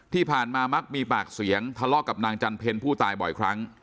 มักมีปากเสียงทะเลาะกับนางจันเพลผู้ตายบ่อยครั้ง